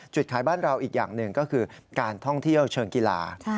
ขายบ้านเราอีกอย่างหนึ่งก็คือการท่องเที่ยวเชิงกีฬา